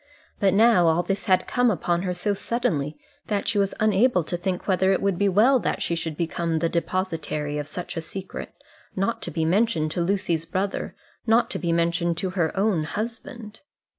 But now all this had come upon her so suddenly, that she was unable to think whether it would be well that she should become the depositary of such a secret, not to be mentioned to Lucy's brother, not to be mentioned to her own husband.